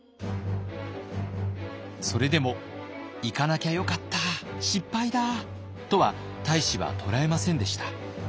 それでも「行かなきゃよかった失敗だ！」とは太子は捉えませんでした。